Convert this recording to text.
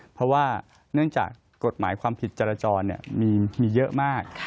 เพราะว่าเนื่องจากกฎหมายความผิดจรจรมีเยอะมาก